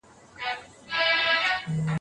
هم په تېښته کي چالاک هم زورور وو